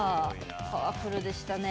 パワフルでしたね。